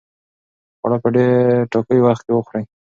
خواړه په ټاکلي وخت کې وخورئ.